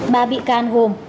ba bị can gồm